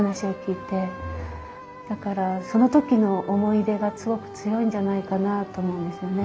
だからその時の思い出がすごく強いんじゃないかなあと思うんですよね。